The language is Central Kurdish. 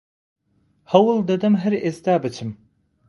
هەوڵ دەدەم هەر ئێستا بچم